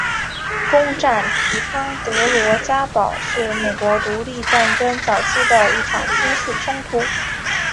攻占提康德罗加堡是美国独立战争早期的一场军事冲突。